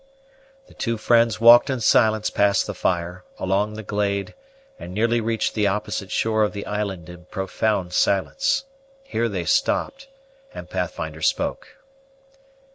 The two friends walked in silence past the fire, along the glade, and nearly reached the opposite shore of the island in profound silence. Here they stopped, and Pathfinder spoke.